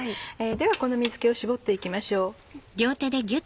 ではこの水気を絞って行きましょう。